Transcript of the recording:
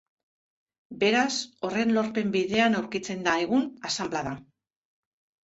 Beraz, horren lorpen bidean aurkitzen da, egun, asanblada.